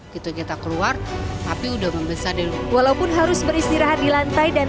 gitu kita keluar tapi udah membesar dulu walaupun harus beristirahat di lantai dan